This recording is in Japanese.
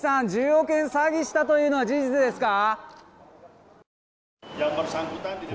１０億円詐欺したというのは事実ですか？